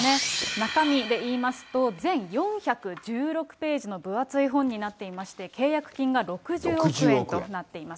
中身で言いますと、全４１６ページの分厚い本になっていまして、契約金が６０億円となっています。